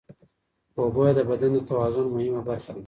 اوبه د بدن د توازن مهمه برخه ده.